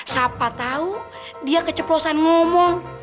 siapa tahu dia keceplosan ngomong